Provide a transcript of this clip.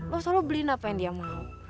lo solo beliin apa yang dia mau